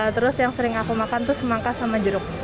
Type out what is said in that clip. terus yang sering aku makan tuh semangka sama jeruk